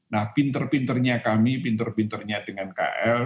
nah pinter pinternya kami pinter pinternya dengan kl